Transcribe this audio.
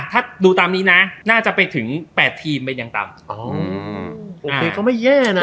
ถ้าดูตามนี้นะน่าจะไปถึงแปดทีมเป็นอย่างต่ำอ๋อโอเคก็ไม่แย่นะ